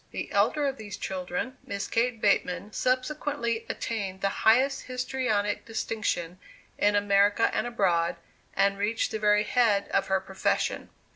The elder of these children, Miss Kate Bateman, subsequently attained the highest histrionic distinction in America and abroad, and reached the very head of her profession.